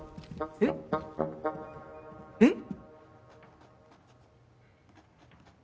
えっ？えっ？